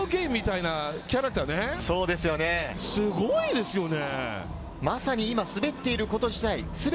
すごいですよね！